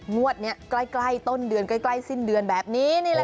งวดนี้ใกล้ต้นเดือนใกล้สิ้นเดือนแบบนี้นี่แหละค่ะ